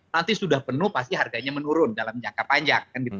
nanti sudah penuh pasti harganya menurun dalam jangka panjang